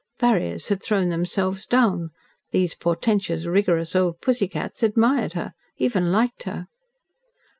Barriers had thrown themselves down, these portentous, rigorous old pussycats admired her, even liked her.